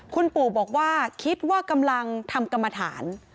คุณปู่บอกว่าคิดว่ากำลังทำกรรมฐาน